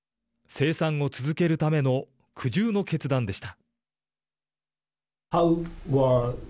生産を続けるための苦渋の決断でした。